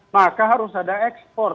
maka harus ada ekspor